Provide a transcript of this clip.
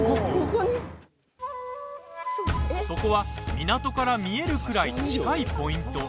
そこは、港から見えるくらい近いポイント。